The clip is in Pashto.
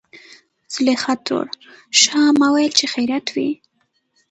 زليخا ترور :ښا ما ويل چې خېرت وي.